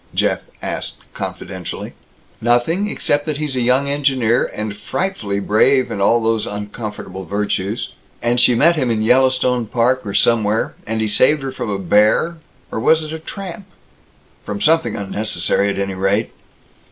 Jeff asked confidentially. "Nothing, except that he's a young engineer, and frightfully brave and all those uncomfortable virtues, and she met him in Yellowstone Park or somewhere, and he saved her from a bear or was it a tramp? from something unnecessary, at any rate."